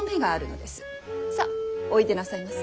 さあおいでなさいませ。